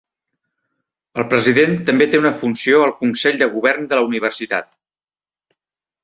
El president també té una funció al Consell de govern de la universitat.